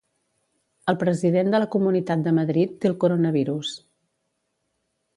El president de la Comunitat de Madrid té el coronavirus.